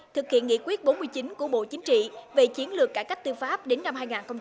thực hiện nghị quyết bốn mươi chín của bộ chính trị về chiến lược cải cách tư pháp đến năm hai nghìn hai mươi